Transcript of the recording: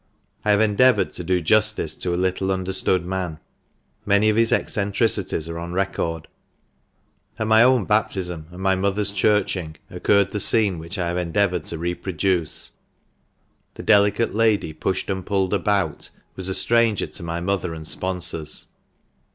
I have endeavoured to do justice to a little understood man. Many of his eccentricities are on record. At my own baptism and my mother's churching, occurred the scene which I have endeavoured to reproduce; the delicate lady pushed and pulled about was a stranger to my mother and sponsors.